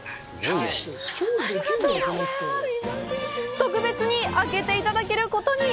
特別に開けていただけることに！